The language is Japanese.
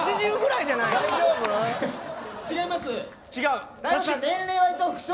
違います。